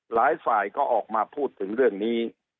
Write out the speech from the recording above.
หลายฝ่ายก็ออกมาพูดถึงเรื่องนี้